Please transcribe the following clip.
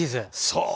そう！